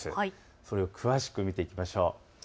それを詳しく見ていきましょう。